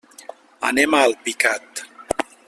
Anem a Alpicat.